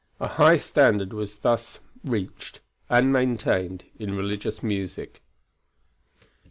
A high standard was thus reached and maintained in religious music.